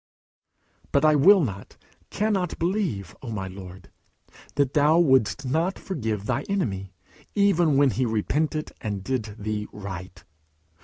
But I will not, cannot believe, O my Lord, that thou wouldst not forgive thy enemy, even when he repented, and did thee right.